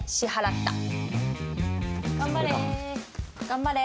頑張れ。